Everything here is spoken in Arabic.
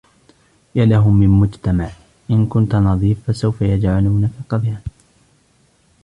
يا له من مجتمع. إن كنت نظيف، فسوف يجعلونك قذرا.